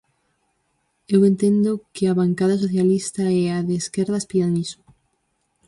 Eu entendo que a bancada socialista e a de esquerdas pidan iso.